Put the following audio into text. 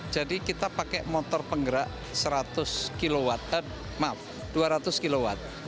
jadi kita pakai motor penggerak seratus kw maaf dua ratus kw